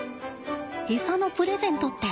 餌のプレゼントって